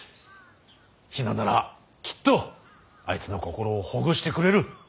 比奈ならきっとあいつの心をほぐしてくれる。